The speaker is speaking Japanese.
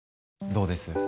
どうです？